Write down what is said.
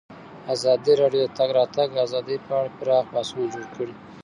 ازادي راډیو د د تګ راتګ ازادي په اړه پراخ بحثونه جوړ کړي.